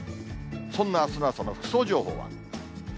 そんなあすの朝の服装情報は。